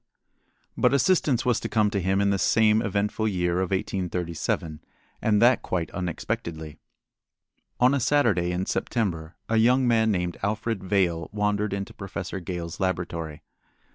But assistance was to come to him in this same eventful year of 1837, and that quite unexpectedly. On a Saturday in September a young man named Alfred Vail wandered into Professor Gale's laboratory.